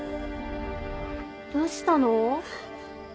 どうしたの？